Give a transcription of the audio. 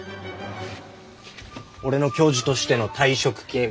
俺の教授としての退職金